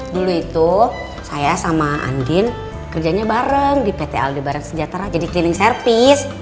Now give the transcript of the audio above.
dulu itu saya sama andin kerjanya bareng di pt aldi barang sejahtera jadi cleaning service